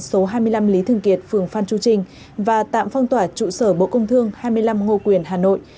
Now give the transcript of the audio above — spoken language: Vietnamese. số hai mươi năm lý thường kiệt phường phan chu trinh và tạm phong tỏa trụ sở bộ công thương hai mươi năm ngô quyền hà nội